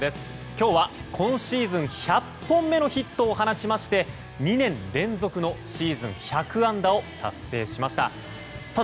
今日は今シーズン１００本目のヒットを放ちまして２年連続のシーズン１００安打を達成しました。